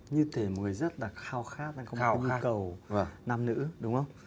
như thế mọi người rất là khao khát không có nhu cầu nam nữ đúng không